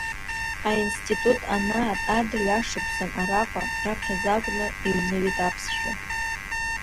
Аинститут анаат адырҩашықәсан араҟа, раԥхьаӡа акәны, иҩныҩит аԥсшәа.